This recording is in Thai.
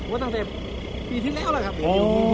ว่าตั้งแต่ปร